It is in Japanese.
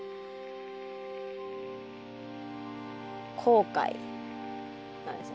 後悔なんですよ。